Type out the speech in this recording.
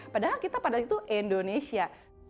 padahal kita pada itu indonesia